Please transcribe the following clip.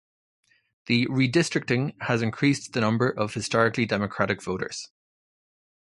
The redistricting has increased the number of historically Democratic voters.